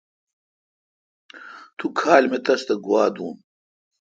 تو کھال مے°تس تہ گوا دون۔